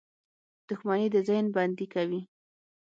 • دښمني د ذهن بندي کوي.